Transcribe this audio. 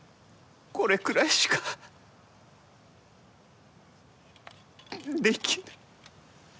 これくらいしかできぬ。